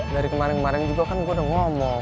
dari kemarin kemarin juga kan gue udah ngomong